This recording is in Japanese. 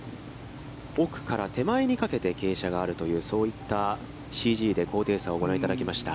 奥から手前にかけて傾斜があるという、そういったＣＧで高低差をご覧いただきました。